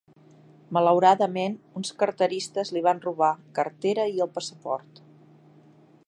Malauradament, uns carteristes li van robar cartera i el passaport.